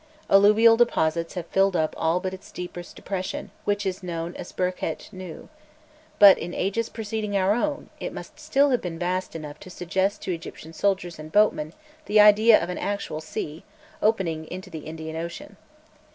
Alluvial deposits have filled up all but its deepest depression, which is known as Birket Nû; but, in ages preceding our era, it must still have been vast enough to suggest to Egyptian soldiers and boatmen the idea of an actual sea, opening into the Indian Ocean.